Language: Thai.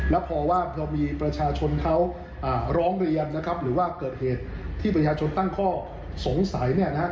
แล้วพอว่าพอมีประชาชนเขาร้องเรียนนะครับหรือว่าเกิดเหตุที่ประชาชนตั้งข้อสงสัยเนี่ยนะฮะ